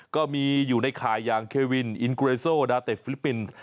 ก็มีอยู่ในข่ายอย่างเควินอินเกรโซดาเต็ดฟิลิปปินส์